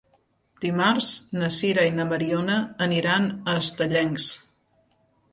Dimarts na Sira i na Mariona aniran a Estellencs.